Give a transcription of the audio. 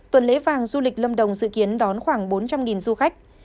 tuần lễ vàng du lịch lâm đồng dự kiến đón khoảng bốn trăm linh du khách